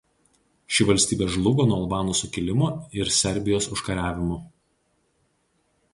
Ši valstybė žlugo nuo albanų sukilimų ir Serbijos užkariavimų.